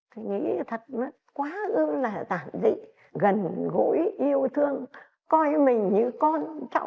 thì nghĩ thật quá ương là tạm dị gần gũi yêu thương coi mình như con cháu